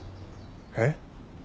えっ？